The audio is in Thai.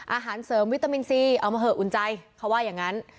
อาหารเสริมวิตามินซีเอามาเหออุ่นใจเขาว่าอย่างนั้น